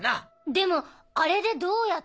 でもあれでどうやって？